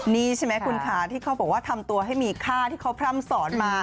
นี่ใช่ไหมคุณค่ะที่เขาบอกว่าทำตัวให้มีค่าที่เขาพร่ำสอนมา